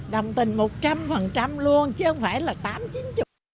đồng tình một trăm linh luôn chứ không phải là tám chín mươi